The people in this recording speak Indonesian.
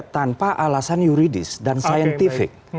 tanpa alasan yuridis dan saintifik